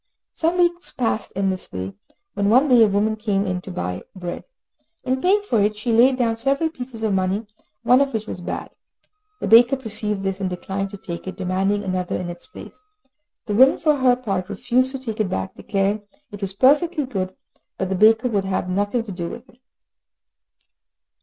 Some weeks passed in this way, when one day a woman came in to buy bread. In paying for it, she laid down several pieces of money, one of which was bad. The baker perceived this, and declined to take it, demanding another in its place. The woman, for her part, refused to take it back, declaring it was perfectly good, but the baker would have nothing to do with it.